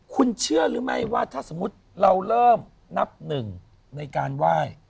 คุณเชื่อหรือไม่ว่าถ้าสมมุติเราเริ่มนับหนึ่งในการไหว้